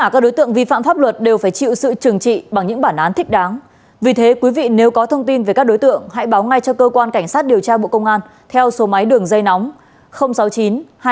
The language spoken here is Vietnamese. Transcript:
cảm ơn quý vị đã theo dõi